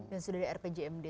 dan sudah ada rpjmd